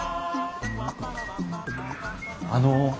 あの。